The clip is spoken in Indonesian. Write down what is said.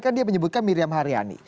kan dia menyebutkan miriam haryani